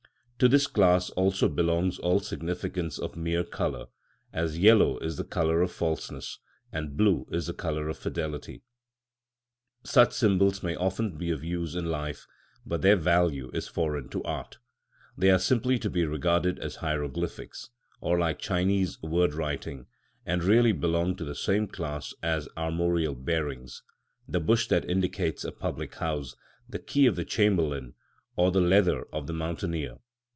To this class also belongs all significance of mere colour, as yellow is the colour of falseness, and blue is the colour of fidelity. Such symbols may often be of use in life, but their value is foreign to art. They are simply to be regarded as hieroglyphics, or like Chinese word writing, and really belong to the same class as armorial bearings, the bush that indicates a public house, the key of the chamberlain, or the leather of the mountaineer.